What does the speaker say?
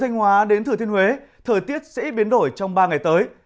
thành hóa đến thừa thiên huế thời tiết sẽ ít biến đổi trong ba ngày tới